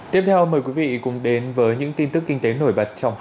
tiếp theo mời quý vị cùng đến với những tin tức kinh tế nổi bật trong hai mươi bốn h qua